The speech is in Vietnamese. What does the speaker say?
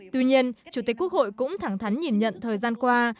tuy nhiên chủ tịch quốc hội cũng thẳng thắn nhìn nhận thời gian qua